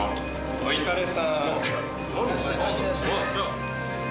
お疲れさーん。